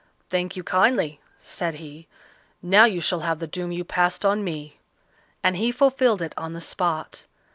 "Thank you kindly," said he. "Now you shall have the doom you passed on me," and he fulfilled it on the spot.